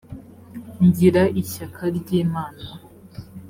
ngira ishyaka ry’imana